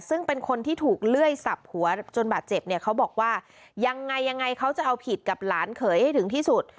ซึ่งเป็นคนที่ถูกเลื่อยสับหัวจนบาดเจ็บเนี่ยเขาบอกว่ายังไงยังไงเขาจะเอาผิดกับหลานเขยให้ถึงที่สุด